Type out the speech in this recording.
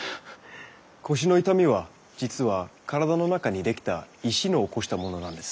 腰の痛みは実は体の中にできた石の起こしたものなんです。